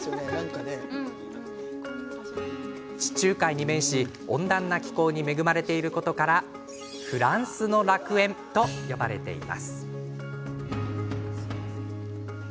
地中海に面し、温暖な気候に恵まれていることからフランスの楽園と呼ばれています。